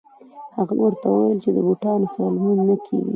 هغه ورته وویل چې د بوټانو سره لمونځ نه کېږي.